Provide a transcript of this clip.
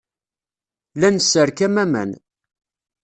La nesserkam aman.